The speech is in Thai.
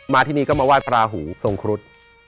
มาที่นี่ก็มาว่ายพระหูทรงคุศ